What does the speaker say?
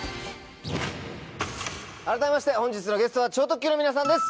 改めまして本日のゲストは超特急の皆さんです